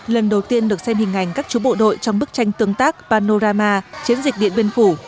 lần đầu tiên được xem hình ảnh các chú bộ đội trong bức tranh tương tác panorama chiến dịch điện biên phủ